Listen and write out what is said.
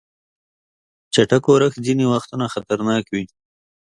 چټک اورښت ځینې وختونه خطرناک وي.